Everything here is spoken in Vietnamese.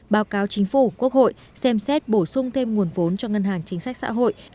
báo cáo chính phủ quốc hội xem xét bổ sung thêm nguồn vốn cho ngân hàng chính sách xã hội